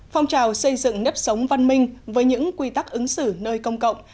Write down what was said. phong trào xây dựng nếp sống văn minh với những quy tắc ứng xử nơi công cộng